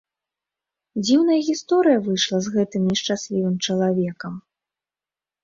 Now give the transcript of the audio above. Дзіўная гісторыя выйшла з гэтым нешчаслівым чалавекам.